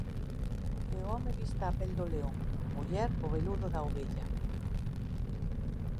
Que o home vista a pel do león, a muller o veludo da ovella.